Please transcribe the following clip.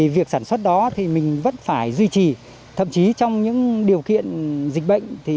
việc sản xuất đó mình vẫn phải duy trì thậm chí trong những điều kiện dịch bệnh